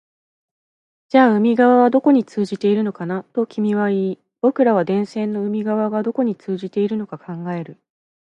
じゃあ海側はどこに通じているのかな、と君は言い、僕らは電線の海側がどこに通じているのか考える